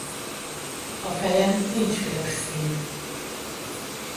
A fejen nincs piros szín.